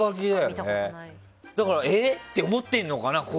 だから、え？って思ってるのかな。